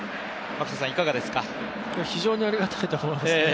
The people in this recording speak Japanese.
非常にありがたいと思いますね。